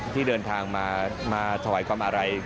ที่เดินทางมาถวายความอาลัย